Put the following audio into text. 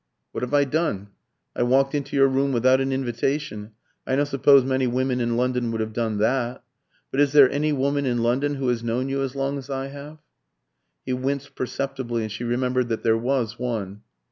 "What have I done? I walked into your room without an invitation I don't suppose many women in London would have done that. But is there any woman in London who has known you as long as I have?" He winced perceptibly, and she remembered that there was one.